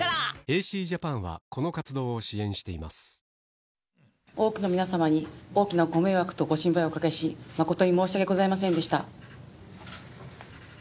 ＮＴＴ西日本の子会社が、多くの皆様に大きなご迷惑とご心配をおかけし、誠に申し訳ございませんでした。